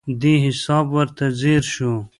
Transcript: دې حساب ورته ځیر شو.